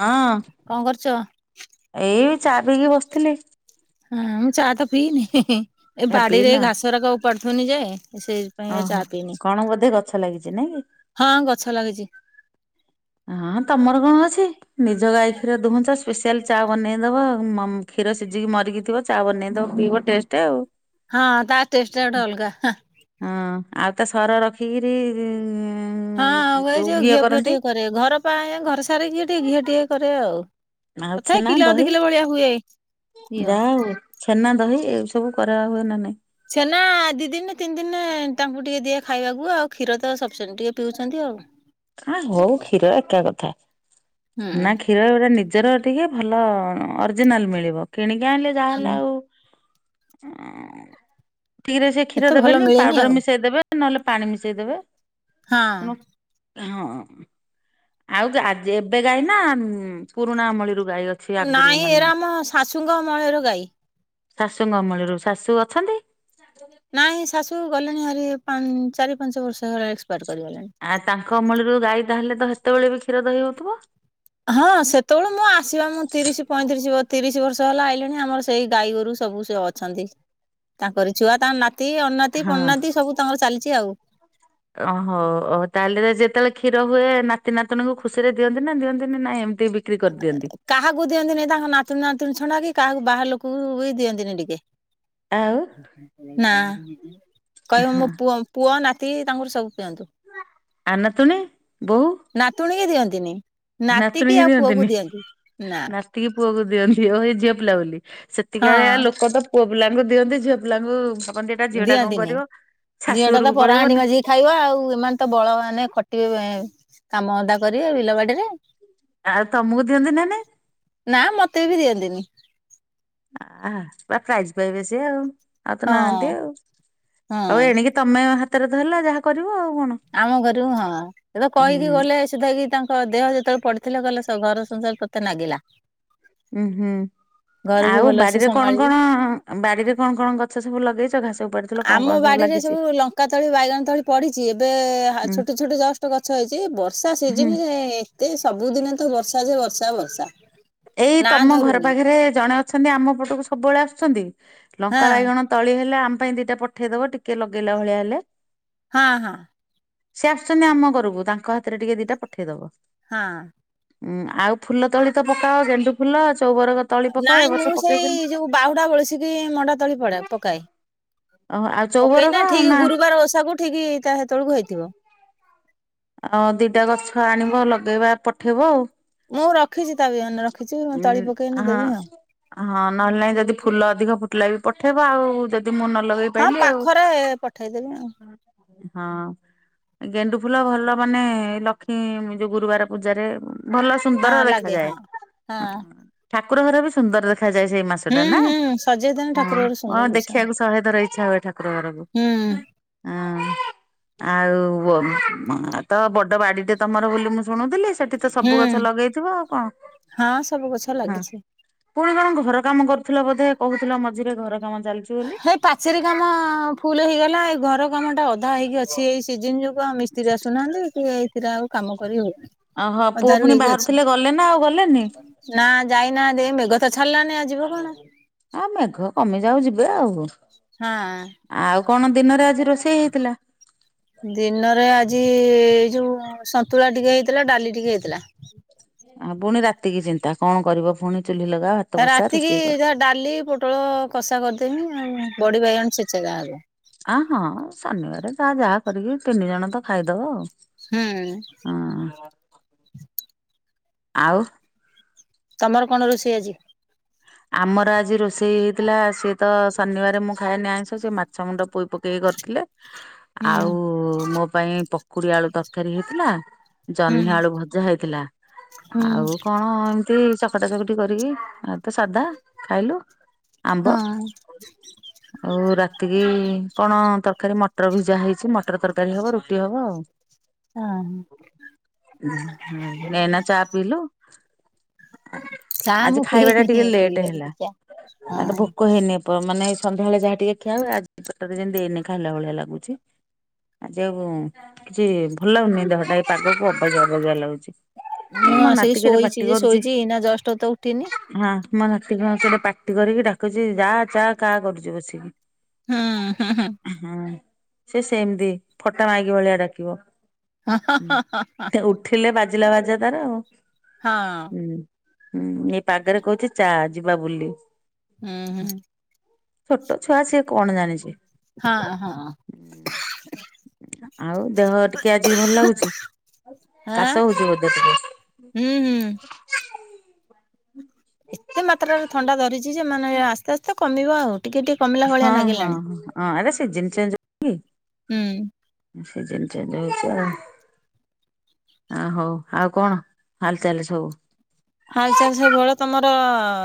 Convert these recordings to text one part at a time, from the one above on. ହଁ, କଣ କରୁଛ? ଏଇ ଚା ପିଇକି ବସିଥିଲି। ହଁ ମୁଁ ଚା ତ ପିଇନି ହିଁ ହିଁ। ଏ ବାଡିରେ ଏ ଘାସଗୁରାକ ଉପାଡୁ ଥିନି ଯେ, ସେ ଓହୋ। କଣ ବୋଧେ ଗଛ ଲାଗିଚି ନାଇଁକି? ହଁ ଗଛ ଲାଗିଛି। ହଁ ତମର କଣ ଅଛି, ନିଜ ଗାଈ କ୍ଷୀର ଦୁହୁଁଚ ସ୍ପେସିଆଲ ଚା ବନେଇଦବ ଆଉ। ମମ କ୍ଷୀର ସିଝିକି ମରିକି ଥିବ ଚା ବନେଇଦବ ପିିଇବ ଟେଷ୍ଟ ଆଉ। ହଁ ତା ଟେଷ୍ଟ ଏଟା ଅଲଗା ହାଁ। ହଁ, ଆଉ ତା ସର ରଖିକିରି ହଁ ଆଉ ଏଇ ଯୋଉ ଘିଅ ଫିଅ ଟିକେ କରେ। ଘର ପାଇଁ ଆ ଘରସାରିକି ଟିକେ ଘିଅ ଟିକେ କରେ ଆଉ। ଆଉ ତଥାପି ଛେନା କିଲ ଦି ଦହି କିଲ ଭଳିଆ ହୁଏ ଘିଅ। ଯାହା ହଉ ଛେନା, ଦହି ଏସବୁ କରାହୁଏ ନା ନାଇଁ? ଛେନା, ଦି ଦିନି ତିନି ଦିନେ ତାଙ୍କୁ ଟିକେ ଦିଏ ଖାଇବାକୁ ଆଉ। କ୍ଷୀର ତ ସଫିସେଣ୍ଟ ଟିକେ ପିଉଚନ୍ତି ଆଉ। ଆ ହଉ କ୍ଷୀର ହୁଁ। କ୍ଷୀରରେ ଗୋଟେ ନିଜର ଟିକେ ଭଲ ଅରିଜିନାଲ୍ ମିଳିବ। କିଣିକି ଆଣିଲେ ଯାହାହେଲେ ଆଉ ଠିକରେ ସେ କ୍ଷୀର ଏତେ ଭଲ ଦେବେନି, ମିଳେନି ପାଉଡର ଆଉ। ମିଶେଇ ଦେବେ ନହେଲେ ପାଣି ମିଶେଇଦେବେ, ହଁ। ତେଣୁ ହଁ। ଆଉ ଗା ଆଜ ଏବେ ଗାଈ ନା, ପୁରୁଣା ଅମଳିରୁ ଗାଇ ଅ ନାଇଁ, ଏଇରା ଆମ ଶାଶୂଙ୍କ ଅମଳର ଗାଈ। ଶାଶୂଙ୍କ ଅମଳରୁ। ଶାଶୂ ଅଛନ୍ତି? ନାଇଁ, ଶାଶୂ ଗଲେଣି ହାରି ପାନ୍ ଚାରି ପାଞ୍ଚ ବର୍ଷ ହେଇଗଲା ଏକ୍ସପାର୍ଟ କରିଗଲେଣି। ଆ ତାଙ୍କ ଅମଳରୁ ଗାଈ ତାହେଲେ ତ ହେତେବେଳେ ବି କ୍ଷୀର ଦହି ହଉଥିବ। ହଁ ସେତେବେଳୁ ମୁଁ ଆସିବା ମୁଁ ତିରିଶ ପଇଁତିରିଶ ବ ତିରିଶ ବର୍ଷ ହେଲା ଆଇିଲିଣି, ଆମର ସେଇ ଗାଈ ଗୋରୁ ସବୁ ସେ ଅଛନ୍ତି। ତାଙ୍କରି ଛୁଆ, ତାଙ୍କ ନାତି, ଅଣନାତି, ହଁ ପଣନାତି ସବୁ ତାଙ୍କର ଚାଲିଚି ଆଉ। ଓହୋ। ହଉ ତାହେଲେ ତ ଯେତେବେଳେ କ୍ଷୀର ହୁଏ, ନାତି ନାତୁଣୀଙ୍କୁ ଖୁସିରେ ଦିଅନ୍ତି ନା ଦିଅନ୍ତିନି ନାଇଁ ଏମିତି ବି ବିକ୍ରି କରିଦିଅନ୍ତି? କାହାକୁ ଦିଅନ୍ତି ନାହିଁ, ତାଙ୍କ ନାତୁଣୀ ନାତୁଣୀ ଛଡା କିି କାହାକୁ ବାହାର ଲୋକକୁ ବି ଦିଅନ୍ତିନି ଟିକେ। ଆଉ ନାଁ। କହିବ ହଁ ମୋ ପୁଅ, ପୁଅ, ନାତି, ତାଙ୍କର ସବୁ ପିଅନ୍ତୁ। ଆଉ ନାତୁଣୀ, ବୋହୂ? ନାତୁଣୀ କି ଦିଅନ୍ତିନେଇ। ନାତି କିି ଆଉ ପୁଅକୁ ଦିଅନ୍ତି। ନା ଟିକେ ପୁଅକୁ ଦିଅନ୍ତି। ଓହୋ, ଏ ଝିଅ ପିଲା ବୋଲି, ହଁ ସେତିକାଳିଆ ଲୋକ ତ ପୁଅ ପିଲାଙ୍କୁ ଦିଅନ୍ତି, ଝିଅ ପିଲାଙ୍କୁ ଭାବନ୍ତି, ଏଟା ଝିଅଟା କଣ ଦିଅନ୍ତିନି। କରିବ? ଝିଅଟା ତ ଶାଶୂଘରକୁ ପଳେଇବ ପରାହାଣ୍ଡି ନା। ମାଜିକି ଖାଇବ ଆଉ, ଏମାନେ ତ ବଳ ମାନେ ଖଟିବେ କାମ ଧନ୍ଦା କରିବେ ବିଲ ବାଡିରେ ଆଉ ତମକୁ ଦିଅନ୍ତି ନା ନାଇଁ? ନା, ମତେ ବି ଦିଅନ୍ତିନି। ଆହା, ପୁରା ପ୍ରାଇଜ ପାଇବେ ସିଏ ଆଉ। ଆଉ ତ ହଁ ନାହାଁନ୍ତି ଆଉ। ହଁ ଆଉ ଏଣିକି ତମେ ହାତରେ ଧରିଲ, ଯାହା କରିବ ଆଉ କଣ। କାମ କରିବୁ ହଁ। ସେ ତ ହୁଁ କହିକି ଗଲେ ହେ ସୁ ସୁଦ୍ଧା କିି ତାଙ୍କ, ଦେହ ଯେତେବେଳେ ପଡିଥିଲେ କହିଲେ ଘର ସଂସାର ତତେ ନାଗିଲା। ଉୁଁ ହୁଁ ଘରକୁ ଆଉ ଭଲସେ ବାଡିରେ କଣ? ସମ୍ଭାଳିବୁ କଣ ଆଉ ବାଡିରେ କଣ, କଣ ଗଛ ସବୁ ଲଗେଇଛ ଘାସ ଉପାଡିଥିଲ କଣ ଆମ କଣ ବାଡିରେ ଲାଗିଛି? ସବୁ ଲଙ୍କା ତଳି, ବାଇଗଣ ତ, ଳି ପଡିଛି ଏବେ ହୁଁ ଛୋଟ ଛୋଟ ଜଷ୍ଟ ଗଛ ହେଇଛି। ବର୍ଷା ହୁଁ। ସିଜନରେ ଏତେ ସବୁଦିନେ ତ ବର୍ଷା ଯେ ବର୍ଷା, ବର୍ଷା। ଏଇ ନା ତମ ଘର ଧରୁନି ପାଖରେ ଜଣେ ଅଛନ୍ତି, ଆମ ପଟକୁ ସବୁବେଳେ ଆସୁଛନ୍ତି ହଁ ଲଙ୍କା, ବାଇଗଣ ତଳି ହେଲେ ଆମ ପାଇଁ ଦିଟା ପଠେଇଦବ, ଟିକେ ଲଗେଇଲା ଭଳିଆ ହେଲେ। ହଁ, ହଁ। ସେ ଆସୁଛନ୍ତି ଆମ ଘରକୁ। ତାଙ୍କ ହାତରେ ଟିକେ ଦିଟା ପଠେଇ ଦବ। ହଁ। ଉୁଁ ଆଉ ଫୁଲ ତଳି ତ ପକାଅ। ଗେଣ୍ଡୁ ଫୁଲ, ଚଉବର ନାଇଁ ମୁଁ ସେଇ ଯୋଉ ବାହୁଡା ବଳସିକି, ମଣ୍ଡା ତଳି ପଡେ ପକାଏ। ଓହୋ ଆଉ ଚଉବରଗ ପକେଇନା ଠିକ ନା ଗୁରୁବାର ଓଷାକୁୁ ଠିକ ଈ ତା ସେତେଳକୁ ହେଇଥିବ। ଆଉ ଦିଟା ଗଛ ଆଣିବ ଲଗେଇବା ପଠେଇବ ଆଉ। ମୁଁ ରଖିଛି ତା ବିଅନ ରଖିଛି ଉଁ ମୁଁ ତଳି ପକେଇଲେ ହଁ ଦେବି ଆଉ। ହଁ ନହେଲେ ନାଇଁ ଯଦି ଫୁଲ ଅଧିକ ଫୁଟିଲା ବି ପଠେଇବ ଆଉ। ମୁଁ ନ ଲଗେଇ ହଁ ପାରଲିି ଆଉ ପାଖରେ ପଠେଇଦେବି ଆଉ ହଁ ଗେଣ୍ଡୁ ଫୁଲ, ଭଲ ମାନେ ଲକ୍ଷ୍ମୀ ଯୋଉ ଗୁରୁବାର ପୂଜାରେ ଭଲ ସୁନ୍ଦର ହଁ ଲାଗେ ହଁ ଦେଖାଯାଏ। ହଁ। ଠାକୁର ଘର ବି ସୁନ୍ଦର ଦେଖାଯଏ ସେଇ ମାସ। ହୁଁ ଟା ନା ହୁଁ ସଜେଇଦେଲେ ଠାକୁର ଘର ହଁ ସୁନ୍ଦର ଦିଶିବ। ଦେଖିବାକୁ ଶହେଥର ଇଚ୍ଛା ହୁଏ ଠାକୁର ଘରକୁ। ହୁଁ ହଁ। ଆଉ ବ ତ ବଡ ବାଡିଟେ ତମର ବୋଲି ମୁଁ ଶୁଣୁଥିଲି। ଏତେ ହୁଁ ସବୁ ଗଛ ଲଗେଇଥିବ ଆଉ କଣ? ହଁ ସବୁ ଗଛ ହଁ ଲାଗିଛି। ପୁଣି କଣ ଘର କାମ କରୁଥିଲ ବୋଧେ କହୁଥିଲ ମଝିରେ ଘର କାମ ଚାଲିଛି ବୋଲି। ନାଇ ପାଚେରୀ କାମ ହେଇକି ଅଛି ଏଇ ସିଜିନ ଯୋଗୁ ଆଉ ମିସ୍ତ୍ରୀ ଆସୁନାହାନ୍ତି କି ଏଇଥିରେ ଆଉ କାମ କରି ହେଉନି। ଓହଁ ପୁଅ ପୁଣି ବାହାରୁଥିଲେ ଗଲେ ନା ଆଉ ଗଲେନି? ନା ଯାଇନାହାନ୍ତି ଏଇ ମେଘ ତ ଛାଡିଲାନି ଯିବ କଣ ଆଉ ମେଘ ହଁ। ଆଉ କଣ ଦିନରେ ଆଜି ରୋଷେଇ ହେଇଥିଲା? ଦିନରେ ଆଜି ଏଇ ଯୋଉ ସନ୍ତୁଳା ଟିକେ ହେଇଥିଲା ଡାଲି ଟିକେ ହେଇଥିଲା। ଆ ପୁଣି ରାତିକି ଚିନ୍ତା କଣ କରିବ ପୁଣି ଚୁଲି ଲଗାଅ ଭାତ ବସା ରାତିକି ରୋଷେଇ କର। ଯାହା ଡାଲି ପୋଟଳ କଷା କରିଦେମି ଆଉ ବଡି ଭାଇଗଣ ଛେଚା ଗାଁର ଆ ହଁ ଶନିବାର ତ ଯାହା କରିକି ତିନି ଜଣ ତ ଖାଇଦବ ଆଉ। ହୁଁ। ହଁ ଆଉ ତମର କଣ ରୋଷେଇ ଆଜି? ଆମର ଆଜି ରୋଷେଇ ହେଇଥିଲା ସିଏ ତ ଶନିବାର ମୁଁ ଖାଏନି ଆଇଁଷ ସେ ମାଛ ମୁଣ୍ଡ ପୋଇ କରିଥିଲେ ହୁଁ ଆଉ ମୋ ପାଇଁ ପକୁଡି ଆଳୁ ତରକାରୀ ହେଇଥିଲା [inaudible] ହୁଁ ଜହ୍ନି ଆଳୁ ଭଜା ହେଇଥିଲା ହୁଁ ଆଉ କଣ ଏମିତି ଚକଟା ଚକଟି କରିକି [inaudible] ଆଉ ହଁ ରାତିକି କଣ ତରକାରି, ମଟର ଭିଜା ହେଇଚି, ମଟର ତରକାରୀ ହବ, ରୁଟି ହବ ଆଉ। ହଁ ହ। ହ [inaudible] ଚା ମୁ ପି [inaudible] ନି ପିଇ ଆଟ ହଁ ଭୋକ ହେଇନି ମାନେ ସନ୍ଧ୍ୟାବେଳେ ଯାହା ଟିକେ ଖିଆ ହୁଏ, ଆଜି ପେଟଟା ଯେମିତି ଏଇନେ ଖାଇଲା ଭଳିଆ ଲାଗୁଛି। ଆଜି ଆଉ କିଛି ଭଲ ଲାଗୁନି, ଦେହଟା ଏ ପାଗକୁ ଅବାଗ୍ୟ ଅବାଗ୍ୟ ଲାଗୁଛି। ମୁଁ ମୋ ଆସିକି ନାତି କେଡେ ପାଟି ଶୋଇଛି ଯେ କରୁଛି। ଶୋଇଛି ଏଇନା ଜଷ୍ଟ ତ ଉଠିନି। ହଁ ମୋ ନାତି କଣ କେଡେ ପାଟି କରିକି ଡାକୁଛି ଯା ଯା କା କରୁଛି ବସିକି। ହୁଁ ହୁଁ ହୁଁ। ହୁଁ ସେ ସେମିତି ଫଟା ମାଇକି ଭଳିଆ ଡାକିବ। ହଁ ହଁ ଉଁ ଉଠିଲେ ବାଜିଲା ବାଜା ତାର ଆଉ ଉଁ। ଉଁ ଏଇ ପାଗେରେ କହୁଛି ଚା ଯିବା ବୁଲି। ଉଁ ହୁଁ। ଛୋଟ ଛୁଆ ସିଏ କଣ ଜାଣିଛି? ହଁ ହଁ। ଆଉ ଦେହ ଟିକେ ଆଜି ଭଲ ଲାଗୁଛି ଆଁ କାଶ ହଉଛି ବୋଧେ ଟିକେ? ହୁଁ ହୁଁ। ଏତେ ମାତ୍ରାରେ ଥଣ୍ଡା ଧରିଛି ଯେ ମାନେ ଆସ୍ତେ ଆସ୍ତେ କମିବ ଆଉ। ଟିକେ ଟିକେ କମିଲା ଭଳିଆ ହଁ ହଁ ନାଗିଲାଣି। ହଁ ଅ ଏଟା ସିଜନ୍ ଚେଞ୍ଜ ହଉନିକି? ହୁଁ ସିଜନ୍ ଚେଞ୍ଜ ହେଇଛି ଆଉ। ଆ ହଉ ଆଉ କଣ ହାଲ ଚାଲ୍ ସବୁ? ହାଲଚାଲ ସବୁ ଭଳ ତମର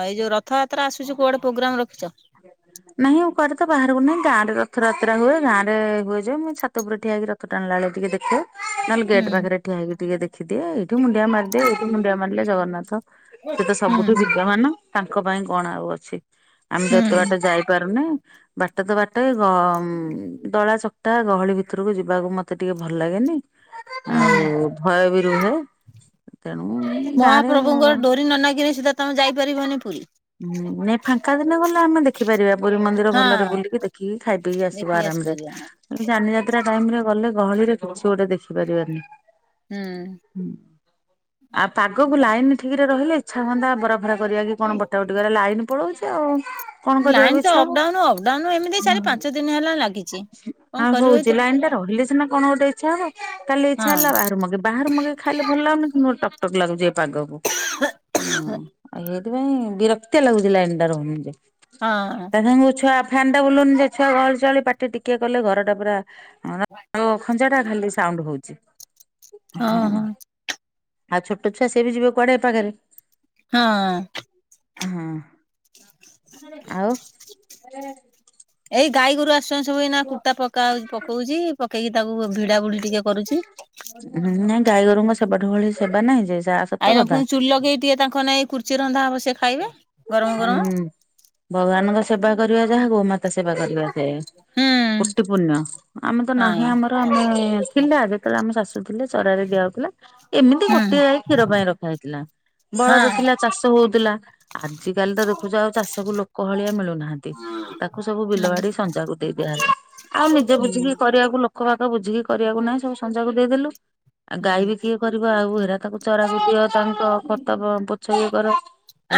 ଏଇ ଯୋଉ ରଥଯାତ୍ରା ଆସୁଛି କୁଆଡେ ପ୍ରୋଗ୍ରାମ ରଖିଛ? [unintelligible] ନାହିଁ ଆଉ କୁଆଡେ ତ ବାହାରକୁ ନାହିଁ ଗାଁରେ ରଥଯାତ୍ରା ହୁଏ ଗାଁରେ ହୁଏ ଯେ ମୁଁ ଏ ଛାତ ଉପୁର ଠଆ ରଥ ଟାଣିଲା ବେଳେ ଟିକେ ଦେଖେ। ନହେଲେ ହୁଁ ଗେଟ୍ ପାଖରେ ଠିଆ ହେଇକି ଟିକେ ଦେଖିଦିଏ ଏଇଠି ମୁଡିଆ ମାରିଦିଏ ଏଇଠି ମୁଣ୍ଡିଆ ମାରିଲେ ଜଗନ୍ନାଥ ସେ ତ ସବୁଠୁ ହୁଁ ବିଦ୍ୟ ମାନ ତାଙ୍କ ପାଇଁ କଣ ଆଉ ଅଛି। ଆମେ ଯେ ହୁଁ ଏତେ ବାଟ ଯାଇପାରୁନେ ବାଟ ତ ବାଟ ଏ ଗମ ଦଳା ଚ ଟା ଗହଳି ଭିତରକୁ ଯିବାକୁ ମତେ ଟିକେ ଭଲ ଲାଗେନି ହୁଁ ଆଉ ଭୟ ବି ରୁହେ। ତେଣୁ ମହାପ୍ରଭୁଙ୍କର ଗାଁରେ ଡୋରି ନ ନାଗିରେ ସିଧା ତମେ ଯାଇପାରିବନି ପୁରୀ। ଉଁ ନେପ ଫାଙ୍କା ଦିନେ ଗଲେ ଆମେ ଦେଖିପାରିବା ପୁରୀ ମନ୍ଦିର ହଁ ଭଲରେ ବୁଲିକି ଦେଖିକି ଖାଇ ପିଇକି ଆସିବ ଦେଖିକି ଆରାମ ରେ। ଆସିପାରିବ ଏ ଯାନିଯାତ୍ରା ଟାଇମ୍ ରେ ଗଲେ ଗହଳି ରେ କିଛି ଗୋଟେ ଦେଖି ପାରିବାନି। ହୁଁ। ହୁଁ ଆ ପାଗକୁ ଲାଇନ୍ ଠିକ୍ ରେ ରହିଲେ ଇଚ୍ଛା ହୁଅନ୍ତା [unintelligible] କରିବା କି କଣ ବଟା ବଟି କରିବା ଲାଇନ୍ ପଳଉଚି ଆଉ। କଣ କରିବାକୁ ଲାଇନ୍ ତ ଇଚ୍ଛା ହବ। ଅପଡାଉନୁ ଅପଡାଉନୁ ଏମିତି ଚାରେ ପାଞ୍ଚ ଦିନ ହେଲା ଲାଗିଚି କଣ କରିବୁ ଏ ଯେ ଲାଇନ୍ ଟା ରହିଲେ ସିନା କଣ ଗୋଟେ ଇଚ୍ଛା ହବ କାଲି ଇଛା ହଁ ହେଲା ବାହାରୁ ମଗେ ବାହାରୁ ମଗେଇ ଖାଇଲେ ଭଲ ଲାଗୁନି କିନ୍ତୁ ଗୋଟେ ଟ ଟକ ଟକ ଲାଗୁଛି ଏ ପାଗକୁ ଅ ଆଉ ହେଇଥିପାଇଁ ବିରକ୍ତିଆ ଲାଗୁଛି ଲାଇନ୍ ଟା ରହୁନିଯେ। ହଁ। ତା ସାଙ୍ଗଙ୍କୁ ଛୁଆ ଫ୍ୟାନ୍ ଟା ବୁଲୁନି ଯେ ଛୁଆ ଗହଳି ଚହଳି ପାଟି ଟିକି କଲେ ଘର ଟା ପୁରା ଅ ଖଞ୍ଜା ଟା ଖାଲି ସାଉଣ୍ଡୁ ହଉଚି ହଁ। ଆଉ ଛୋଟ ଛୁଆ ସେ ବି ଯିବେ କୁଆଡେ ଏ ପାଗେରେ। ହଁ। ହଁ ଆଉ? ଏଇ ଗାଈ ଗୋରୁ ଆସୁଛନ୍ତି ସବୁ ଏଇନା କୁଟା ପକାଉଛି ପକଉଚି। ପକେଇକି ତାକୁ ଭିଡା ଭୁଡି ଟିକେ କରୁଛି। ହୁଁ ହୁଁ ନାଇଁ ଗାଈ ଗୋରୁଙ୍କ ସେବାଠୁ ଭଳି ସେବା ନାହିଁ ଯେ ସେଆ ଆ ଏଇନା ଫୁଣି ଚୁଲି ଲଗେଇ ଟିକେ ତାଙ୍କ ନାଗି କୁର୍ଚି ରନ୍ଧା ହବ ସେ ଖାଇବେ। ଗରମ ଗରମ ହୁଁ ଭଗବାନଙ୍କ ସେବା କରିବା ଯାହା ଗୋ ମାତା ସେବା କରିବା ସେ ହୁଁ କୋଟି ପୁନ୍ୟ ଆମେ ତ ହଁ ନାହିଁ ଆମର ଆମେ ଥିଲା ଯେ ଯେତଳେ ଆମ ଶାଶୁ ଥିଲେ ଚରା ରେ ଦିଆହଉଥିଲା। ଏମିତି ହୁଁ ଗୋଟିଏ ଗାଇ କ୍ଷୀର ପାଇଁ ରଖା ହେଇଥିଲା ବଳଦ ହଁ ଥିଲା ଚାଷ ହଉଥିଲା। ଆଜିକାଲି ତ ଦେଖୁଛ ଆଉ ଚାଷ କୁ ଲୋକ ଭଳିଆ ମିଳୁନାହାନ୍ତି। ତାକୁ ସବୁ ବିଲ ହୁଁ ବାଡି ସଂଜାକୁ ଦେଇ ଦିଆହେଲା ଆଉ ନିଜେ କିଛିବି ହୁଁ କରିବାକୁ ଲୋକ ବାକ ବୁଝିକି କରିବାକୁ ନାହିଁ ସବୁ ସଂଜାକୁ ଦେଇଦେଲୁ ଆଉ ଗାଈ ହୁଁ। ବି କିଏ କରିବା ଆଉହେରା ତାକୁ ଚରାକୁ ଦିଅ ତାଙ୍କ ଖତବ ପୋଛ ବିଏ କର।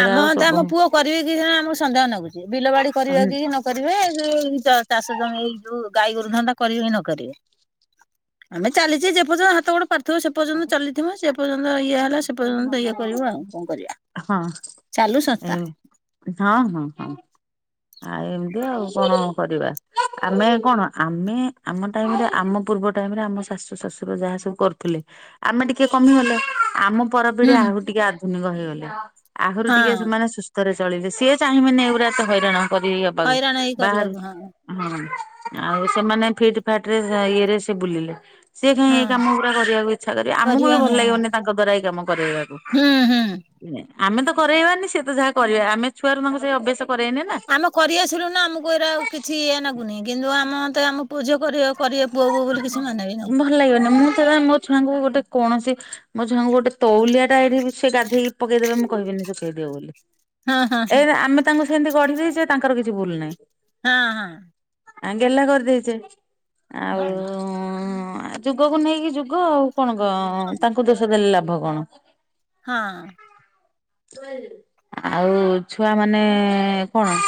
ଏରା ଆଉ ତ ଶୋଭ ଆମ ପୁଅ କରିବେ କି ଆମକୁ ସନ୍ଦେହ ନାଗୁଛି ବିଲ ବାଡି ହଁ କରିବେ କି କରିବେ ଚାଷ ଜମି ଏଇ ଯୋଉ ଗାଈ ଗୋରୁଧନ୍ଦା କରିବେ କି ନ କରିବେ। ଆମେ ଚାଲିଛି ଯେପର୍ଯ୍ୟନ୍ତ ହାତ ଗୋଡ ତ ସେ ପର୍ଯ୍ୟନ୍ତ ଚାଲିଥିବ ସେ ପର୍ଯ୍ୟନ୍ତ ଇଏ ହେଲା ସେ ପର୍ଯ୍ୟନ୍ତ ଇଏ କରିବୁ ଆଉ କଣ କରିବା। ହଁ ଚାଲୁ ଏ ସଂସ୍ଥା ହଁ ହଁ ହଁ। ଆଉ ଏମିତି ଆଉ କଣ କରିବା। ଆମେ କଣ ଆମେ ଆମ ଟାଇମରେ ଆମ ପୂର୍ବ ଟାଇମରେ ଆମ ଶାଶୁ ଶଶୁର ଯାହା ସବୁ କରୁଥିଲେ ଆମେ ଟିକେ କମିଗଲେ ଆମ ପରପିଢି ହୁଁ ଆହୁରି ଟିକେ ଆଧୁନିକ ହେଇଗଲେ। ଆହୁରି ଟିକେ ହଁ। ସେମାନେ ସୁସ୍ଥରେ ଚଳିବେ ସିଏ ଚାହିଁବେନି ଏଗୁଡ଼ା ଏତେ ହଇରାଣ କରି ହବାକୁ ହଇରାଣ ହେଇ ବାହାରୁ କରିବାକୁ ହଁ ହଁ ଆଉ ସେମାନେ ଫିଟ ଫାଟ ରେ ଇଏରେ ସେ ବୁଲିଲେ ସିଏ କାଇଁ ଏଇ ହଁ କାମ ଗୁରା କରିବାକୁ ଇଚ୍ଛା କରିବେ ଆମକୁ କରିବା ବି ହଁ ଭଲ ଲାଗିବନି ତାଙ୍କ ଦ୍ଵାରା ଏଇ କାମ କରାଇବାକୁ। ହୁଁ ହୁଁ। ଆମେ ତ କରାଇବାନି ସିଏ ତ ଯାହା କରିବା ଆମେ ଛୁଆରୁ ମାନଙ୍କୁ ସେଇ ଅଭ୍ୟାସ କରେଆନି ନା କରିଆସିଲୁ ନା ଆମକୁ ଏଇରା କିଛି ଇ ଲାଗୁନି କିନ୍ତୁ ଆମ ମୋତେ ଆମ ପୁଅ ଝିଅ କରିବା କରିବେ ପୁଅ ବୋଉ ବୋଲି କିଛି ମାନେବି ନାହିଁ ଭଲ ଲାଗିବନି ମୁଁ ତ ମୋ ଛୁଆଙ୍କୁ ଗୋଟେ କୌଣସି ମୋ ଛୁଆଙ୍କୁ ଗୋଟେ ତଉଳିଆ ଟା ଏଇଠି ସେ ଗାଧେଇକି ପକେଇଦେବେ ମୁଁ କହିବିନି ଶୁଖେଇ ଦିଅ ବୋଲି ହଁ ହଁ ହଁ ଏଇ ଆମେ ତାଙ୍କୁ ସେମିତି ଗଢି ଦେଇଛେ। ତାଙ୍କର କିଛି ଭୁଲ ନାହିଁ। ହଁ ହଁ। ଆଁ ଗେଲ କରିଦେଇଛେ। ଆଉ ହଁ ଯୁଗକୁ ନେଇକି ଯୁଗ ଆଉ କଣ କ ତାଙ୍କୁ ଦୋଷ ଦେଲେ ଲାଭ କଣ? ହଁ। ଆଉ ଛୁଆ ମାନେ କଣ?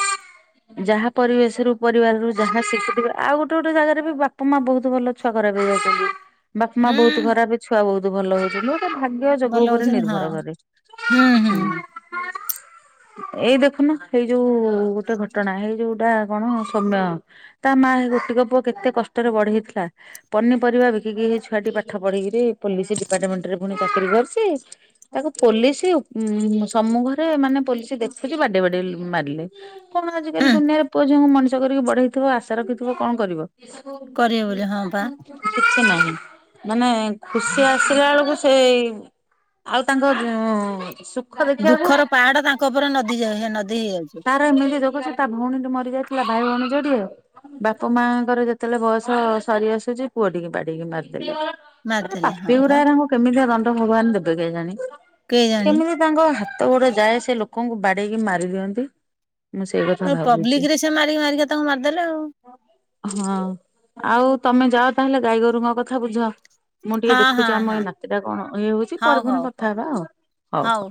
ଯାହା ପରିବେଶରୁୁ ପରିବାରରୁ ଯାହା ଶିଖୁଥିବ ଆଉ ଗୋଟେ ଗୋଟେ ଜାଗାରେ ବି ବାପା ମା ବହୁତ ଭଲ ଛୁଆ ଖରାପ୍ ବି ବାପା ମା ବହୁତ ହୁଁ ଖରାପ ଛୁଆ ବହୁତ ଭଲ ହଉଛନ୍ତି। ଗୋଟେ ଭାଗ୍ୟ ଭଲ ଯୋଗ ଉପରେ ହଉଛନ୍ତି ହଁ ନିର୍ଭର କରେ। ହୁଁ ହୁଁ ହୁଁ। ଏଇ ଦେଖୁନ ଏଇ ଯୋଉ ଗୋଟେ ଘଟଣା ହେଇ ଯୋଉଟା କଣ ସୌମ୍ୟ ତା ମା ଗୋଟିକ ପୁଅ କେତେ କଷ୍ଟରେ ବଢେଇ ଥିଲା। ପନିପରିବା ବିକିକି ସେ ଛୁଆଟି ପାଠ ପଢ଼ିକିରି ପୋଲିସ ଡିପାର୍ଟମେଣ୍ଟରେ ପୁଣି ଚାକିରି କରିଛି। ତାକୁ ପୋଲିସ ଉଁ ସମ୍ମୁଖରେ ମାନେ ପୋଲିସି ଦେଖୁଛି ବାଡ଼େଇ ବାଡ଼େଇ ମାରିଲେ। କଣ ଆଜିକାଲି ହୁଁ ଦୁନିଆରେ ପୁଅ ଝିଅଙ୍କୁ ମଣିଷ କରିକି ବଢେଇଥିବ ଆଶା ରଖିଥିବ କଣ କରିବ? କରିବେ ବୋଲି ହଁ ପା କିଛି ନାହିଁ ମାନେ ଖୁସି ଆସିଲା ବେଳକୁ ସେଇ ଆଉ ତାଙ୍କ ଦୁଃଖର ଦେଖିବାକୁ ପାହାଡ ତାଙ୍କ ଉପରେ ନଦୀ ଯ ନଦୀ ହେଇଯାଉଛି। ତାର ଏମିତି ଦେଖୁଛୁ ତା ଭଉଣୀ ମରି ଯାଇଥିଲା ଭାଇ ଭଉଣୀ ଯୋଡିଏ। ବାପା ମାଙ୍କର ଯେତେବେଳେ ବୟସ ସରି ଆସୁଛି ପୁଅ ଟିକି ବାଡିକି ମାରିଦେଲେ ଏଗୁରା ମାରିଦେଲେ ହଁ ପାପି ପା ଏଉରାଙ୍କୁ କେମିତିଆ ଦଣ୍ଡ ଭଗବାନ ଦେବେ କେଜାଣି? କେଜାଣି କେମିତି ତାଙ୍କ ହାତ ଗୋଡ ଯାଏ ସେ ଲୋକଙ୍କୁ ବାଡେଇକି ମାରି ଦିଅନ୍ତି। ମୁଁ ସେଇ କଥା ଭାବୁଛି ପବ୍ଲିକ ରେ ସେ ମାରିକି ମାରିକି ତାଙ୍କୁ ମାରିଦେଲା ଆଉ ହଁ ଆଉ ତମେ ଯାଅ ତାହେଲେ ଗାଈଗୋରୁଙ୍କ କଥା ବୁଝ। ମୁଁ ଟିକେ ଆଉ ହଁ ଦେଖୁଛି ହଁ ଆମ ଏଇ ହଁ ନାତି ଟା କଣ ଇଏ ହଉଛି ପରେ ହଉ ପୁଣି ହଉ କଥା ହଉ ହେବା ଆଉ ହଉ ହଉ।